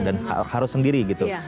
dan harus sendiri gitu